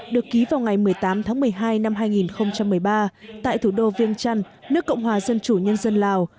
được ký vào ngày một mươi tám tháng một mươi hai năm hai nghìn một mươi ba tại thủ đô viêng trăn nước cộng hòa dân chủ nhân dân lào